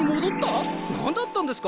何だったんですか？